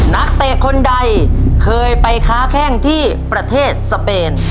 นักเตะคนใดเคยไปค้าแข้งที่ประเทศสเปน